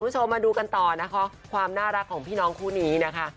คุณผู้ชมมาดูกันต่อนะคะความน่ารักของพี่น้องคู่นี้นะคะ